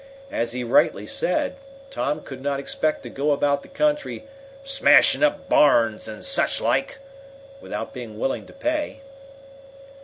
As he rightly said, Tom could not expect to go about the country, "smashing up barns and such like," without being willing to pay.